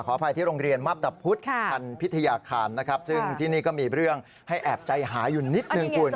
อภัยที่โรงเรียนมับตะพุทธคันพิทยาคารนะครับซึ่งที่นี่ก็มีเรื่องให้แอบใจหาอยู่นิดนึงคุณ